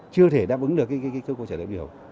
chưa thể đáp ứng được cái câu trả lời của đại biểu